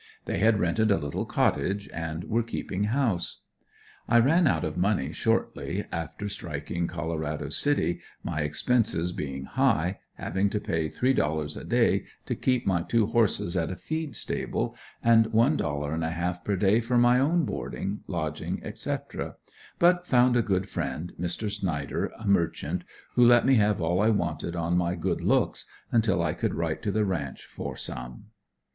They had rented a little cottage and were keeping house. I ran out of money shortly after striking Colorado City, my expenses being high, having to pay three dollars a day to keep my two horses at a feed stable, and one dollar and a half per day for my own board, lodging, etc., but found a good friend, Mr. Snyder, a merchant, who let me have all I wanted on my good looks until I could write to the ranch for some.